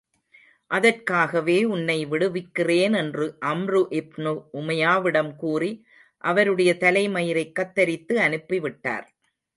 அதற்காகவே, உன்னை விடுவிக்கிறேன் என்று அம்ரு இப்னு உமையாவிடம் கூறி, அவருடைய தலை மயிரைக் கத்தரித்து அனுப்பி விட்டார்.